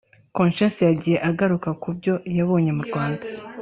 Konshens yagiye agaruka ku byo yabonye mu Rwanda